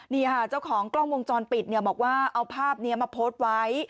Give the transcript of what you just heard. นี่ค่ะเจ้าของกล้องวงจรปิดเนี่ยบอกว่าเอาภาพนี้มาโพสต์ไว้